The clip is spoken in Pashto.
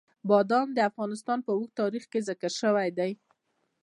بادام د افغانستان په اوږده تاریخ کې ذکر شوی دی.